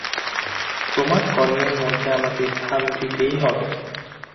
তোমার কর্মের মধ্যে আমাকে স্থান দিতেই হইবে।